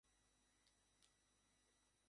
শোলা, যদি আমি ভুল না বলে থাকি।